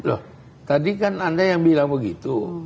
loh tadi kan anda yang bilang begitu